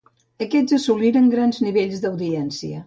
Aquestes assoliren grans nivells d'audiència.